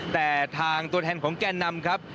แต่ทางตัวแทนของแก่นำครับ